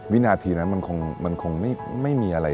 วินาทีนั้นมันคงไม่มีอะไร